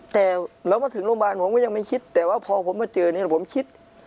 แต่เรามาถึงโรงพยาบาลผมก็ยังไม่คิดแต่ว่าพอผมมาเจอเนี่ยผมคิด